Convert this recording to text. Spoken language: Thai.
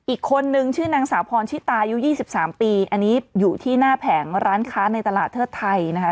อีกคนนึงชื่อนางสาวพรชิตายุ๒๓ปีอันนี้อยู่ที่หน้าแผงร้านค้าในตลาดเทิดไทยนะคะ